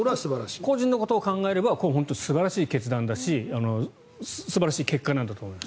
個人のことを考えれば素晴らしい決断だし素晴らしい結果なんだと思います。